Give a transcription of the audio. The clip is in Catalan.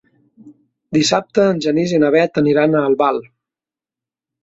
Dissabte en Genís i na Bet aniran a Albal.